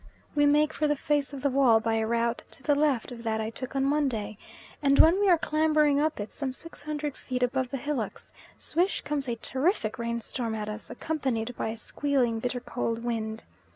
We make for the face of the wall by a route to the left of that I took on Monday, and when we are clambering up it, some 600 feet above the hillocks, swish comes a terrific rain storm at us accompanied by a squealing, bitter cold wind.